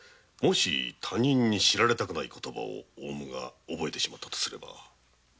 他人に知られたくない言葉をもしオウムが覚えてしまったとしたら。